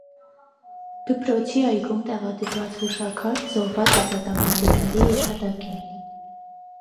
Դպրոցի այգում տեղադրված է հուշաքար՝ զոհված ազատամարտիկների հիշատակին։